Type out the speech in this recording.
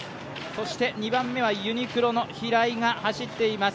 そして２番目はユニクロの平井が走っています。